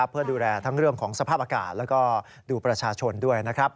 เพื่อดูแลทั้งเรื่องของสภาพอากาศแล้วก็ดูประชาชนด้วยนะครับ